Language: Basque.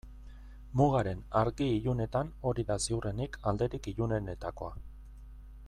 Mugaren argi-ilunetan hori da ziurrenik alderik ilunenetakoa.